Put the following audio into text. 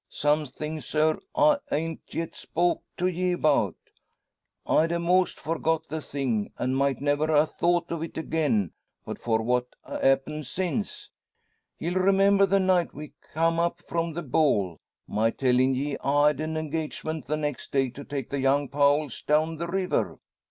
"Something, sir, I han't yet spoke to ye about. I'd a'most forgot the thing, an' might never a thought o't again, but for what ha' happened since. Ye'll remember the night we come up from the ball, my tellin' ye I had an engagement the next day to take the young Powells down the river?"